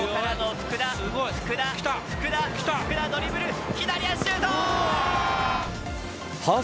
福田ドリブル、左足、シュート！